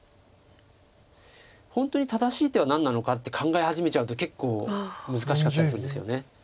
本当に正しい手は何なのかって考え始めちゃうと結構難しかったりするんですよね。